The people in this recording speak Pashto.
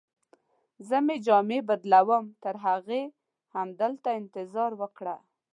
زه مې جامې بدلوم، ته ترهغې همدلته انتظار وکړه.